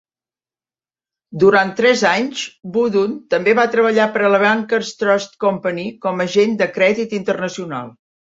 Durant tres anys, WuDunn també va treballar per a la Bankers Trust Company com agent de crèdit internacional.